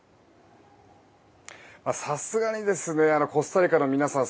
さすがにコスタリカの皆さん